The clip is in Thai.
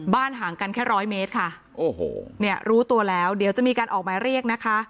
ห่างกันแค่ร้อยเมตรค่ะโอ้โหเนี่ยรู้ตัวแล้วเดี๋ยวจะมีการออกหมายเรียกนะคะ